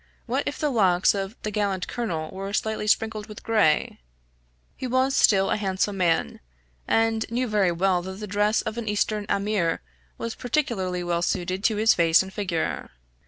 What if the locks of the gallant colonel were slightly sprinkled with gray? He was still a handsome man, and knew very well that the dress of an eastern aymeer was particularly well suited to his face and figure.